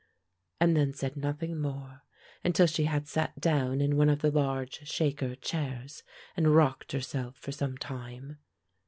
and then said nothing more until she had sat down in one of the large Shaker chairs, and rocked herself for some time.